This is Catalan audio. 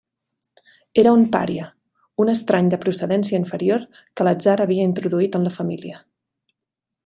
Era un pària, un estrany de procedència inferior que l'atzar havia introduït en la família.